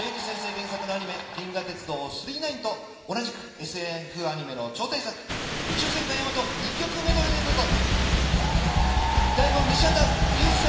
原作のアニメ、銀河鉄道９９９と同じくＳＦアニメの超大作、宇宙戦艦ヤマト、２曲メドレーでどうぞ。